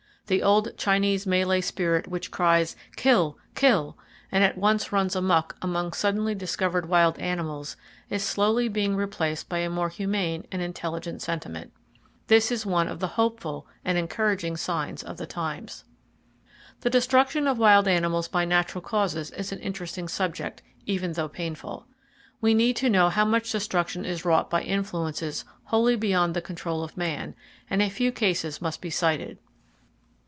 The old Chinese Malay spirit which cries [Page 83] "Kill! Kill!" and at once runs amuck among suddenly discovered wild animals, is slowly being replaced by a more humane and intelligent sentiment. This is one of the hopeful and encouraging signs of the times. The destruction of wild animals by natural causes is an interesting subject, even though painful. We need to know how much destruction is wrought by influences wholly beyond the control of man, and a few cases must be cited.